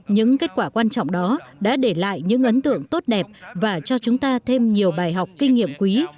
những kết quả quan trọng đó đã để lại những ấn tượng tốt đẹp và cho chúng ta thêm nhiều bài học kinh nghiệm quý